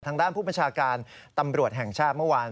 ทางด้านผู้บัญชาการตำรวจแห่งชาติเมื่อวาน